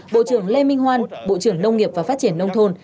bộ trưởng lê minh hoan bộ trưởng nông nghiệp và phát triển nông thôn